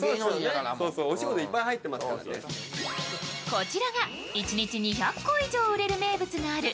こちらが一日２００個以上売れる名物がある